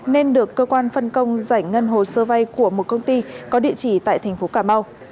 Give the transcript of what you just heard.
nên được cơ quan phân công giải ngân hồ sơ vay của một công ty có địa chỉ tại thành phố cà mau